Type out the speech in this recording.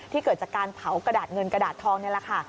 เกิดจากการเผากระดาษเงินกระดาษทองนี่แหละค่ะ